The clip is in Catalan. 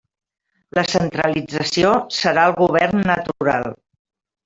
La centralització serà el govern natural.